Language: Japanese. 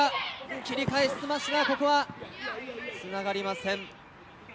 切り返しますが、ここはつながりません。